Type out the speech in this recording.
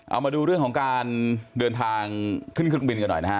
เอามาดูเรื่องของการเดินทางขึ้นเครื่องบินกันหน่อยนะฮะ